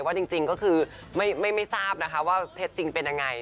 ว่าจริงก็คือไม่ทราบนะคะว่าเทศจริงเป็นอย่างไร